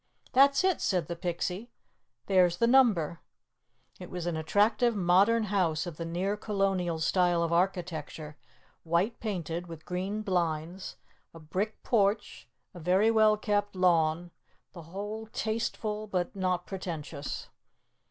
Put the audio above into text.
"That's it," said the Pixie. "There's the number." It was an attractive modern house of the near Colonial style of architecture, white painted, with green blinds, a brick porch, a very well kept lawn, the whole tasteful, but not pretentious.